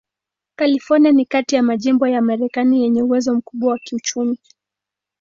California ni kati ya majimbo ya Marekani yenye uwezo mkubwa wa kiuchumi.